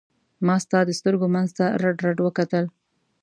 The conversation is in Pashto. ما ستا د سترګو منځ ته رډ رډ وکتل.